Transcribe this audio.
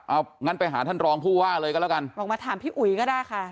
เอางั้นไปหาท่านรองผู้ว่าเลยก็แล้วกันบอกมาถามพี่อุ๋ยก็ได้ค่ะ